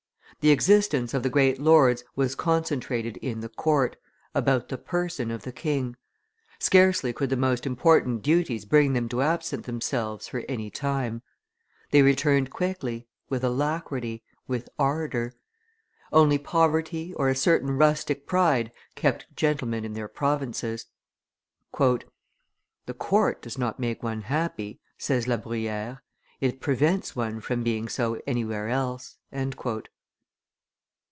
The existence of the great lords was concentrated in the court, about the person of the king. Scarcely could the most important duties bring them to absent themselves for any time. They returned quickly, with alacrity, with ardor; only poverty or a certain rustic pride kept gentlemen in their provinces. "The court does not make one happy," says La Bruyere, "it prevents one from being so anywhere else."